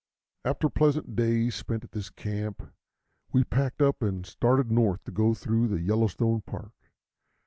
After pleasant days spent at this camp, we packed up and started north to go through the Yellowstone Park.